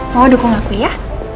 mau dukung aku ya